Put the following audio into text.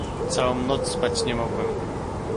"Całą noc spać nie mogłem."